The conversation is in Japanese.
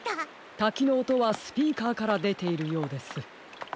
たきのおとはスピーカーからでているようです。